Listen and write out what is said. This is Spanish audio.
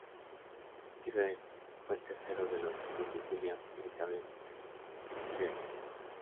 Tyrrell fue el tercero de los hijos de William y Elizabeth Tyrrell.